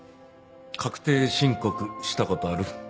確定申告した事ある？